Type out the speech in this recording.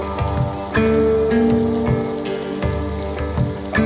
jadi kita harus fokus dan disiplin dalam hal ini untuk komitmen